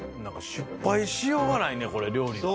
失敗しようがないねこれ料理が。